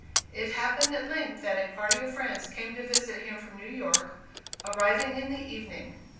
It happened at length that a party of friends came to visit him from New York, arriving in the evening.